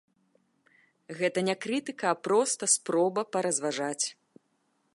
Гэта не крытыка, а проста спроба паразважаць.